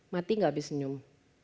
mati gak habis senyum